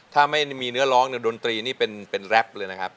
ถ้าไม่มีเนื้อร้องดนตรีนี่เป็นแรปเลยนะครับ